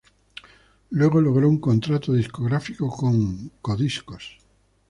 Luego logró un contrato discográfico con Codiscos.